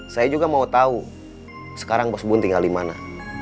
saya juga mau tahu sekarang mas bun tinggal di mana